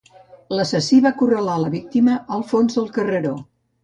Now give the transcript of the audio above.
L'assassí va acorralar la víctima al fons del carreró.